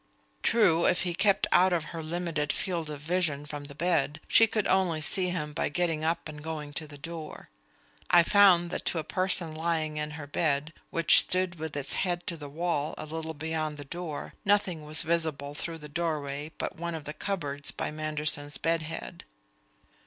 True, if he kept out of her limited field of vision from the bed, she could only see him by getting up and going to the door. I found that to a person lying in her bed, which stood with its head to the wall a little beyond the door, nothing was visible through the doorway but one of the cupboards by Manderson's bed head.